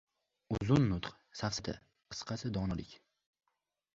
• Uzun nutq — safsata, qisqasi — donolik.